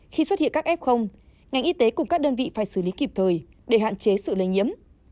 khi xuất hiện các f ngành y tế cùng các đơn vị phải xử lý kịp thời để hạn chế sự lây nhiễm